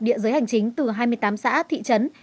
địa giới hành chính từ hai mươi tám xã thị trấn